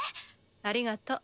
ありがと。